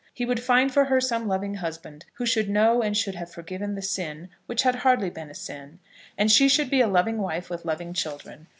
He would find for her some loving husband, who should know and should have forgiven the sin which had hardly been a sin, and she should be a loving wife with loving children.